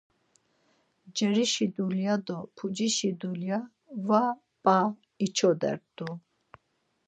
Carişi dulya do pucişi dulya va p̌a içodert̆u.